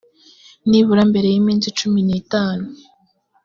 nibura mbere y iminsi cumi n itanu